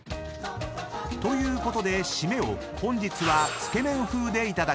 ［ということでシメを本日はつけ麺風でいただきます］